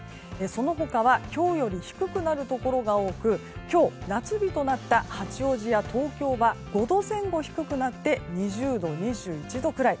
その他は今日より低くなるところが多く今日、夏日となった八王子や東京は５度前後低くなって２０度、２１度くらい。